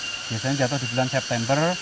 biasanya jatuh di bulan september